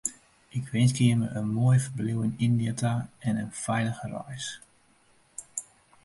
Ik winskje jimme in moai ferbliuw yn Yndia ta en in feilige reis.